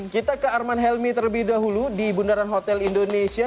kita ke arman helmi terlebih dahulu di bundaran hotel indonesia